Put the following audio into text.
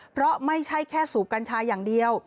เพราะไม่ใช่แค่สูบกัญชาอย่างเดียว